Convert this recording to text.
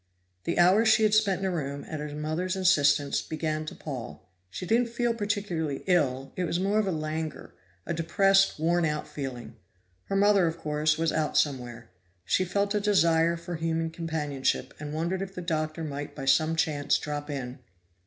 The hours she had spent in her room, at her mother's insistence, began to pall; she didn't feel particularly ill it was more of a languor, a depressed, worn out feeling. Her mother, of course, was out somewhere; she felt a desire for human companionship, and wondered if the Doctor might by some chance drop in.